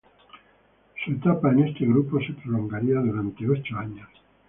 Su etapa en este grupo se prolongaría durante ocho años.